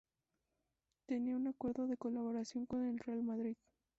Tenía un acuerdo de colaboración con el Real Madrid.